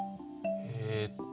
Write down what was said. えっと